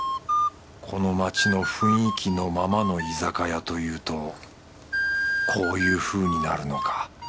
この街の雰囲気のままの居酒屋というとこういうふうになるのか。